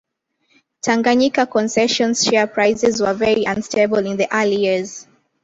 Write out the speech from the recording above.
Tanganyika Concessions share prices were very unstable in the early years.